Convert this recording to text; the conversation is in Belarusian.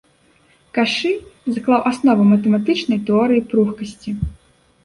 Кашы заклаў асновы матэматычнай тэорыі пругкасці.